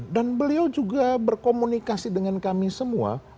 dan beliau juga berkomunikasi dengan kami semua